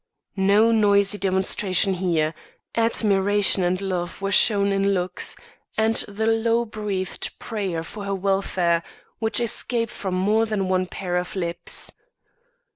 No noisy demonstration here; admiration and love were shown in looks and the low breathed prayer for her welfare which escaped from more than one pair of lips.